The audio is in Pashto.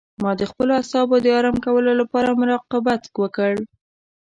ما د خپلو اعصابو د آرام کولو لپاره مراقبت وکړ.